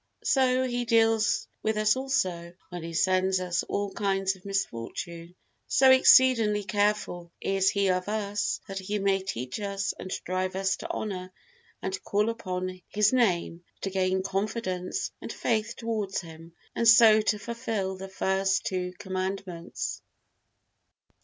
So He deals with us also, when He sends us all kinds of misfortune: so exceedingly careful is He of us, that He may teach us and drive us to honor and call upon His Name, to gain confidence and faith toward Him, and so to fulfil the first two Commandments.